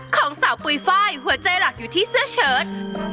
ของสาวปุ๋ยไฟล์หัวใจหลักอยู่ที่เสื้อเชิด